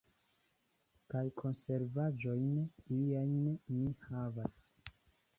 Kaj konservaĵojn iajn mi havas.